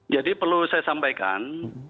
jadi perlu saya sampaikan